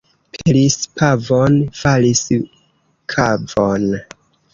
Pelis pavon, falis kavon.